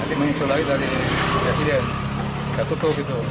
jadi menculai dari presiden kita tutup gitu